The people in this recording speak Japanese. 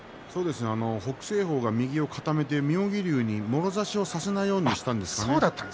北青鵬は右を固めて妙義龍にもろ差しをさせないようにしたんです。